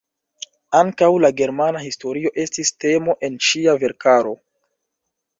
Ankaŭ la germana historio estis temo en ŝia verkaro.